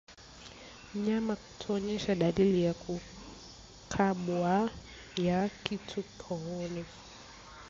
Mnyama kuonyesha dalili ya kukabwa na kitu kooni